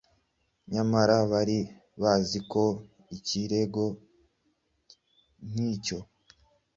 nyamara bari bazi ko ikirego nk’icyo,